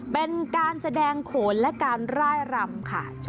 เป็นการแสดงโขนและการร่ายรำค่ะ